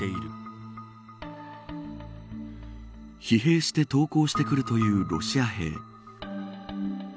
疲弊して投降してくるというロシア兵。